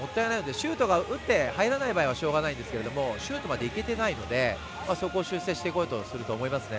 シュートを打って入らない場合はしょうがないのですがシュートまでいけていないのでそこを修正すると思いますね。